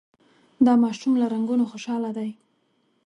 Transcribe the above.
دا ماشوم له رنګونو خوشحاله دی.